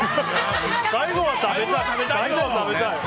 最後は食べたいよ！